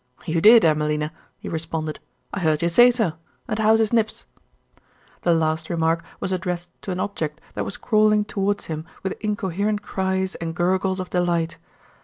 "You did, Emmelina," he responded. "I heard you say so, and how's his Nibs?" The last remark was addressed to an object that was crawling towards him with incoherent cries and gurgles of delight.